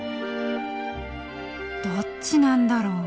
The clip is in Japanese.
どっちなんだろう。